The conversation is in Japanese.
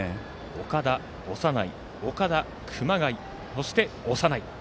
岡田、長内岡田、熊谷そして、長内